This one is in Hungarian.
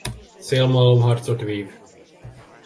Szélmalomharcot vív.